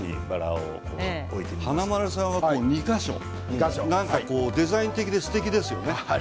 華丸さんは２か所デザイン的ですてきですね。